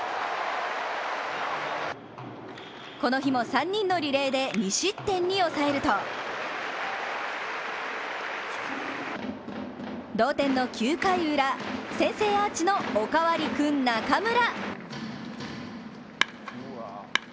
この日も３人のリレーで２失点に抑えると同点の９回ウラ、先制アーチのおかわり君、中村。